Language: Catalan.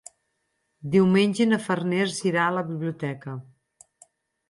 Diumenge na Farners irà a la biblioteca.